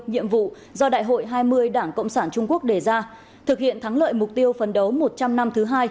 nhiệm vụ do đại hội hai mươi đảng cộng sản trung quốc đề ra thực hiện thắng lợi mục tiêu phấn đấu một trăm linh năm thứ hai